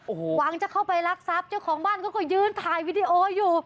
หวังจะเข้าไปรักษัพเจ้าของบ้านก็ยืนถ่ายวีดีโออยู่